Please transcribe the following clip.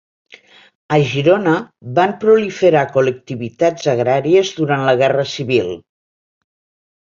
A Girona van proliferar col·lectivitats agràries durant la Guerra Civil.